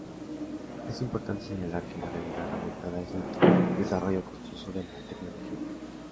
Es importante señalar que la realidad aumentada es un desarrollo costoso de la tecnología.